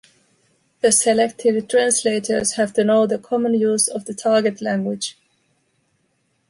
The selected translators have to know the common use of the target language.